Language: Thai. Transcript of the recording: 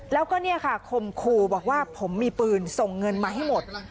แล้วก็คมครูบอกว่าผมมีปืนส่งเงินมาให้หมด